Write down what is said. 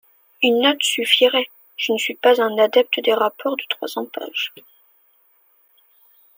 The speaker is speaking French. Une note suffirait – je ne suis pas un adepte des rapports de trois cents pages.